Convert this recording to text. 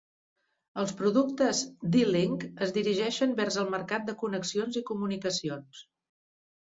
Els productes D-Link es dirigeixen vers el mercat de connexions i comunicacions.